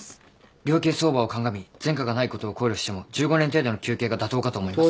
量刑相場を鑑み前科がないことを考慮しても１５年程度の求刑が妥当かと思います。